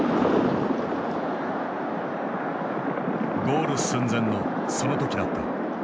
ゴール寸前のその時だった。